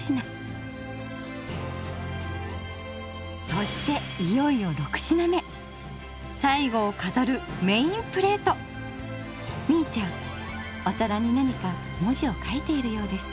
そしていよいよみいちゃんお皿に何か文字を書いているようです。